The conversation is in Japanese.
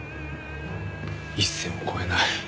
一線を越えない。